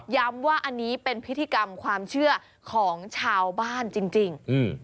ว่าอันนี้เป็นพิธีกรรมความเชื่อของชาวบ้านจริง